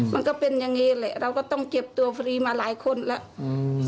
มันก็เป็นอย่างงี้แหละเราก็ต้องเก็บตัวฟรีมาหลายคนแล้วอืม